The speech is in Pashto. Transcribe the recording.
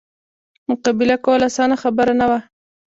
مقابله کول اسانه خبره نه وه.